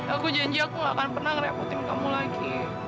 aku janji aku gak akan pernah ngerepotin kamu lagi